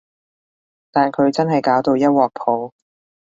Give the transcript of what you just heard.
但佢真係搞到一鑊泡